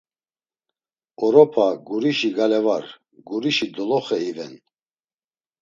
Oropa gurişi gale var, gurişi doloxe iven.